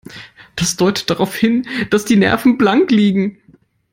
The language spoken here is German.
Das deutet darauf hin, dass die Nerven blank liegen.